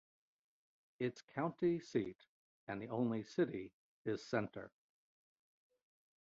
Its county seat and only city is Center.